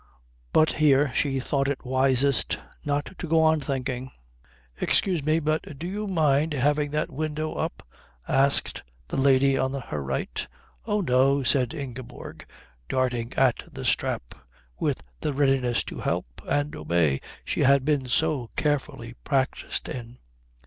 But here she thought it wisest not to go on thinking. "Excuse me, but do you mind having that window up?" asked the lady on her right. "Oh, no," said Ingeborg, darting at the strap with the readiness to help and obey she had been so carefully practised in.